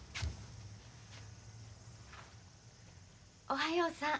おはようさん。